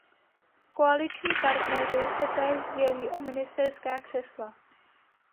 Koaliční partneři se též dělí o ministerská křesla.